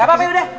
gapapa ya udah